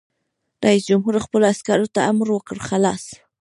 رئیس جمهور خپلو عسکرو ته امر وکړ؛ خلاص!